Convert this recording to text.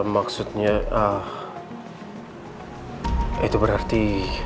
maksudnya itu berarti